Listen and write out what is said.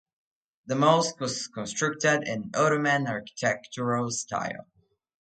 The mosque was constructed in Ottoman architectural style.